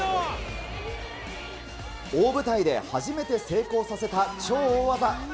大舞台で初めて成功させた超大技。